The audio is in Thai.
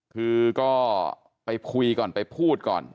คือก็ไปคุยก่อนไปพูดก่อน